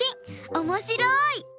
おもしろい！